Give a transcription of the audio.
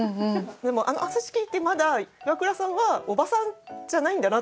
でも私聞いてまだイワクラさんはおばさんじゃないんだなって。